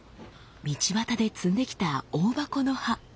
道端で摘んできたオオバコの葉。